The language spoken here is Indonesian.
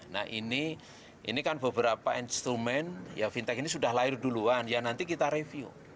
nah ini kan beberapa instrumen ya fintech ini sudah lahir duluan ya nanti kita review